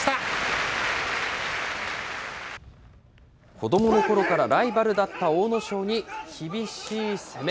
子どものころからライバルだった阿武咲に厳しい攻め。